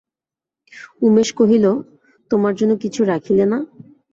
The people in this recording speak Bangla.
উমেশ কহিল, তোমার জন্য কিছু রাখিলে না?